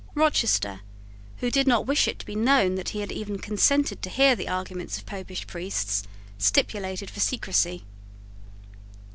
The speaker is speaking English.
Rochester, who did not wish it to be known that he had even consented to hear the arguments of Popish priests, stipulated for secrecy.